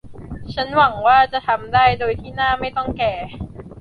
ฉันหวังว่าฉันจะทำได้โดยที่หน้าไม่ต้องแก่